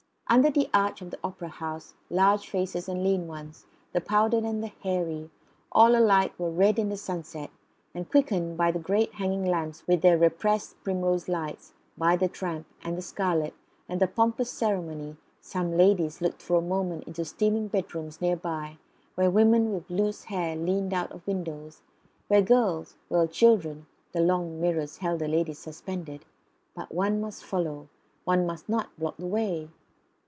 Under the arch of the Opera House large faces and lean ones, the powdered and the hairy, all alike were red in the sunset; and, quickened by the great hanging lamps with their repressed primrose lights, by the tramp, and the scarlet, and the pompous ceremony, some ladies looked for a moment into steaming bedrooms near by, where women with loose hair leaned out of windows, where girls where children (the long mirrors held the ladies suspended) but one must follow; one must not block the way.